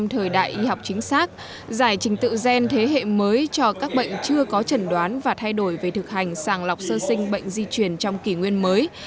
thời đại y học chính xác giải trình tự gen thế hệ mới cho các bệnh chưa có trần đoán và thay đổi về thực hành sàng lọc sơ sinh bệnh di truyền trong kỷ nguyên mới